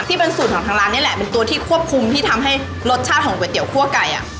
ที่เป็นสูตรของทางร้านนี่แหละเป็นตัวที่ควบคุมที่ทำให้รสชาติของก๋วยเตี๋ยคั่วไก่อ่ะ